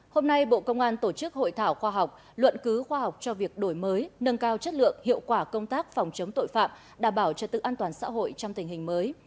hôm nay bộ công an tổ chức hội thảo khoa học luận cứu khoa học cho việc đổi mới nâng cao chất lượng hiệu quả công tác phòng chống tội phạm đảm bảo cho tự an toàn xã hội trong tình hình mới